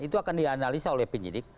itu akan dianalisa oleh penyidik